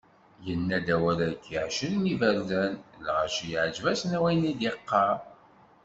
Yenna-d awal-agi ɛecrin n yiberdan, lɣaci yeɛǧeb-asen wayen i d-yeqqar.